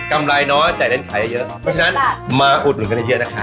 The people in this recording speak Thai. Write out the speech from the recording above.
กำไรน้อยแต่เล็นไขยัยเยอะครับเพราะฉะนั้นมาอุดหนึ่งกันละเงี้ยนะครับ